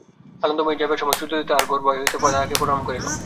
আনন্দময়ী যাইবার সময় সুচরিতা তাহার ঘর হইতে বাহির হইয়া তাঁহাকে প্রণাম করিল।